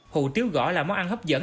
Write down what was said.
hủ tiếu gõ là món ăn hấp dẫn